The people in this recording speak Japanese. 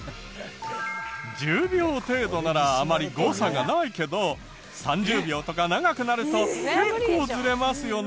１０秒程度ならあまり誤差がないけど３０秒とか長くなると結構ズレますよね。